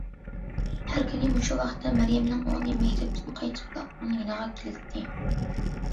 ھەر كۈنى مۇشۇ ۋاقىتتا مەريەمنىڭ ئوغلى مەكتەپتىن قايتىپلا ئۇنىڭ يېنىغا كېلەتتى.